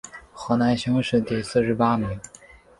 河南乡试第四十八名。